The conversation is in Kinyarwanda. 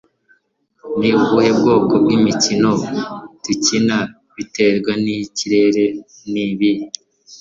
ni ubuhe bwoko bw'imikino dukina biterwa nikirere n'ibihe